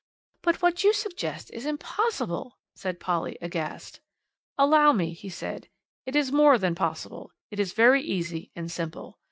"But what you suggest is impossible," said Polly, aghast. "Allow me," he said, "it is more than possible it is very easy and simple.